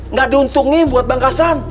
nggak ada untungnya buat bang kasan